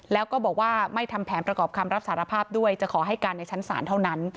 แล้วก็บอกว่าไม่ทำแผนประกอบคำรับสารภาพด้วยจะขอให้การในชั้นศาลเท่านั้น